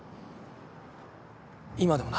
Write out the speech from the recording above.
今でもな。